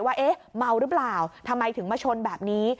ว่าเอ๊ะเมาหรือเปล่าทำไมถึงมาชนแบบนี้